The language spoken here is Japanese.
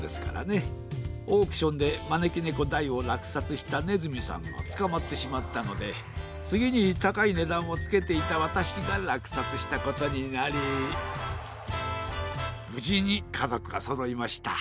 オークションでまねきねこ大をらくさつしたねずみさんがつかまってしまったのでつぎにたかいねだんをつけていたわたしがらくさつしたことになりぶじにかぞくがそろいました。